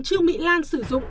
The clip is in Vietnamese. trường mỹ lan sử dụng